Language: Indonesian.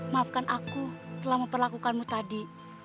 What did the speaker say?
maafkan aku telah memperlakukanmu tadi